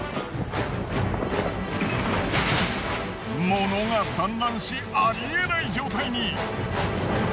物が散乱しありえない状態に。